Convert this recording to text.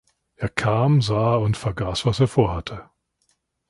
Er kam, sah und vergaß was er vor hatte.